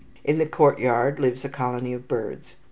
In the courtyard lives a colony of birds.